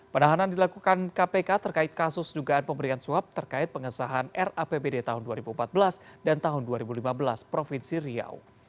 penahanan dilakukan kpk terkait kasus dugaan pemberian suap terkait pengesahan rapbd tahun dua ribu empat belas dan tahun dua ribu lima belas provinsi riau